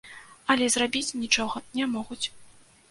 Але зрабіць нічога не могуць.